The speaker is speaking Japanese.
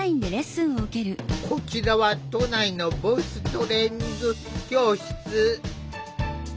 こちらは都内のボイストレーニング教室。